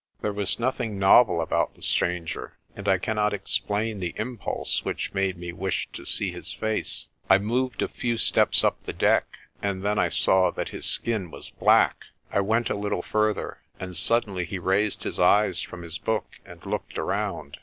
There was nothing novel about the stranger, and I cannot explain the impulse which made me wish to see his face. I moved a few steps up the deck, and then I saw that his skin was black. I went a little further, and suddenly he raised his eyes from his book and looked around.